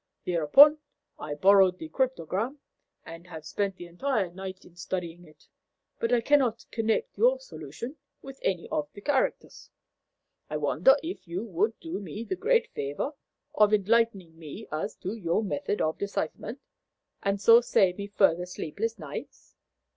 Thereupon I borrowed the cryptogram, and have spent the entire night in studying it, but I cannot connect your solution with any of the characters. I wonder if you would do me the great favour of enlightening me as to your method of decipherment, and so save me further sleepless nights?